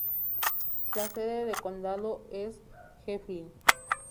La sede de condado es Heflin.